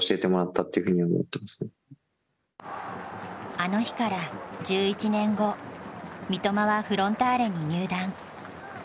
あの日から１１年後、三笘はフロンターレに入団。